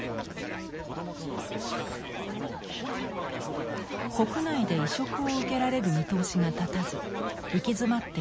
国内で移植を受けられる見通しが立たず行き詰まっていた小沢さん。